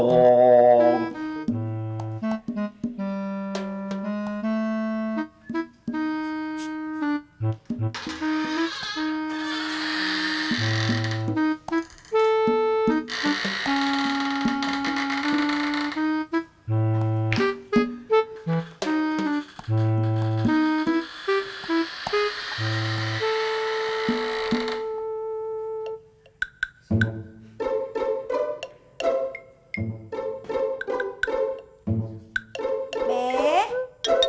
sampai jumpa lagi